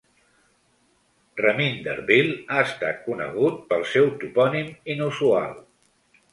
Reminderville ha estat conegut pel seu topònim inusual.